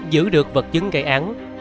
giữ được vật chứng gây án